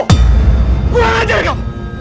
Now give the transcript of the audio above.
kurang ajar kau